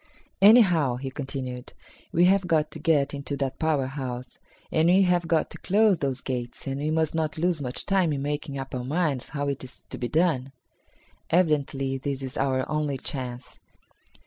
"Anyhow," he continued, "we have got to get into that power house, and we have got to close those gates, and we must not lose much time in making up our minds how it is to be done. Evidently this is our only chance.